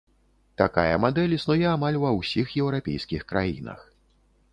Такая мадэль існуе амаль ва ўсіх еўрапейскіх краінах.